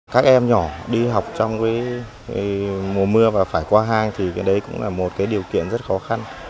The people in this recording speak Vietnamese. các em nhỏ đi học trong mùa mưa và phải qua hang thì cái đấy cũng là một điều kiện rất khó khăn